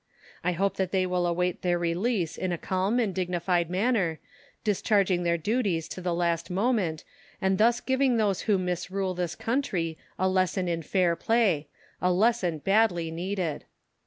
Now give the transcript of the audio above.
I hope that they will await their release in a calm and dignified manner, discharging their duties to the last moment, and thus giving those who misrule this country a lesson in fair play a lesson badly needed.